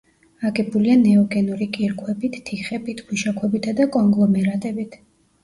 აგებულია ნეოგენური კირქვებით, თიხებით, ქვიშაქვებითა და კონგლომერატებით.